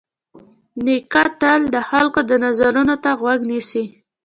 نیکه تل د خلکو د نظرونو ته غوږ نیسي.